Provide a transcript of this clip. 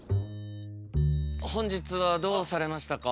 本日はどうされましたか？